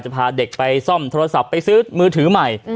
พาเด็กไปซ่อมโทรศัพท์ไปซื้อมือถือใหม่